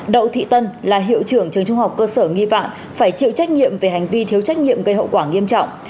đậu thị tân là hiệu trưởng trường trung học cơ sở nghi vạn phải chịu trách nhiệm về hành vi thiếu trách nhiệm gây hậu quả nghiêm trọng